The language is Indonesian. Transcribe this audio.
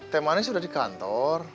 teh manis sudah di kantor